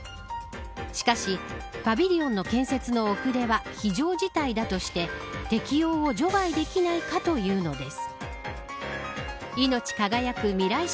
しかしパビリオンの建設の遅れは非常事態だとして適用を除外できないかというのです。